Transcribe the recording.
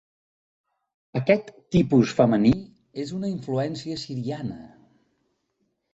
Aquest tipus femení és una influència siriana.